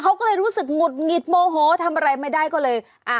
เขาก็เลยรู้สึกหงุดหงิดโมโหทำอะไรไม่ได้ก็เลยอ่ะ